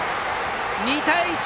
２対１。